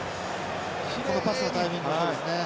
このパスのタイミングもそうですね。